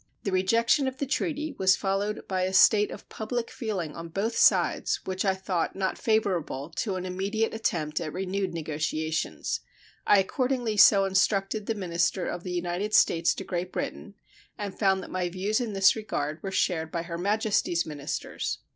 The rejection of the treaty was followed by a state of public feeling on both sides which I thought not favorable to an immediate attempt at renewed negotiations. I accordingly so instructed the minister of the United States to Great Britain, and found that my views in this regard were shared by Her Majesty's ministers.